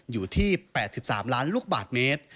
อยู่ที่๘๓ล้านลูกบาทเมตร